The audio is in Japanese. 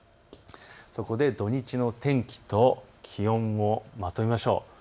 そこで土日の天気と気温をまとめましょう。